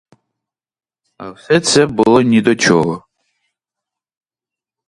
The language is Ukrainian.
Але все це було ні до чого.